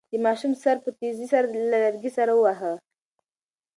د ماشوم سر په تېزۍ سره له لرګي سره وواهه.